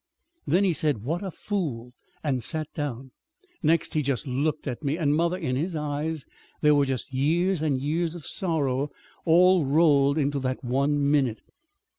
Then he said, 'What a fool!' and sat down. Next he just looked at me; and, mother, in his eyes there were just years and years of sorrow all rolled into that one minute."